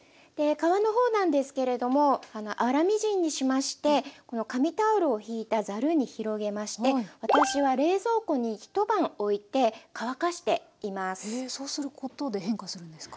皮の方なんですけれども粗みじんにしましてこの紙タオルを引いたざるに広げまして私はへえそうすることで変化するんですか？